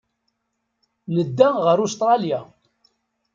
Nedda ɣer Ustṛalya.